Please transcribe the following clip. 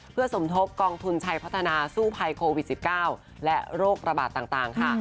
เพื่อสมทบกองทุนชัยพัฒนาสู้ภัยโควิด๑๙และโรคระบาดต่างค่ะ